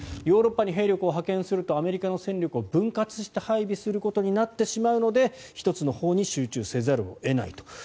ヨーロッパに兵力を派遣するとアメリカの戦力を分割して配備することになってしまうので１つのほうに集中せざるを得ないと。